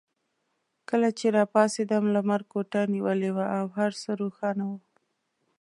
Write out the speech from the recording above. کله چې راپاڅېدم لمر کوټه نیولې وه او هر څه روښانه وو.